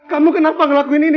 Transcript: kamu kenapa ngelakuin ini